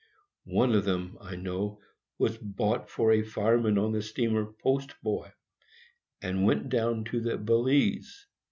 One of them, I know, was bought for a fireman on the steamer Post Boy, that went down to the Balize.